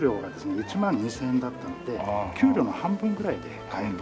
１万２０００円だったんで給料の半分ぐらいで買える。